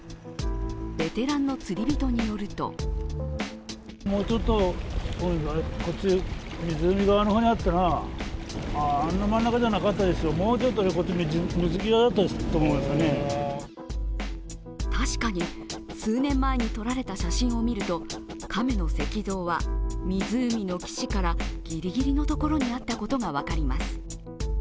ベテランの釣り人によると確かに、数年前に撮られた写真を見ると亀の石像は湖の岸からギリギリのところにあったことが分かります。